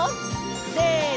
せの！